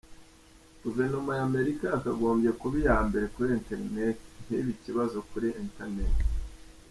"Guverinoma y’Amerika yakagombye kuba iya mbere kuri internet, ntibe ikibazo kuri internet.